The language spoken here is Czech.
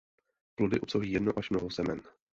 Plody obsahují jedno až mnoho semen.